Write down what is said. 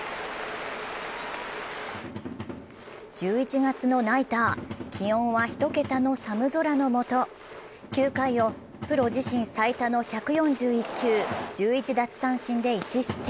１１月のナイター、気温は一桁の寒空の下、９回をプロ自身最多の１４１球、１１奪三振で１失点。